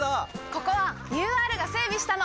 ここはＵＲが整備したの！